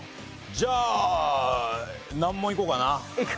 じゃあ難問いこうかな。